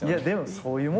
そういうもん！